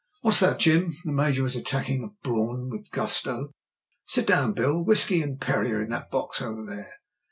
"What's that, Jim?" The Major was attacking a brawn with gusto. "Sit down. Bill, Whisky and Perrier in that box over there."